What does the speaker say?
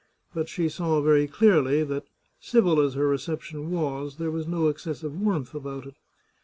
But she saw very clearly that civil as her reception was, there was no excessive warmth about it.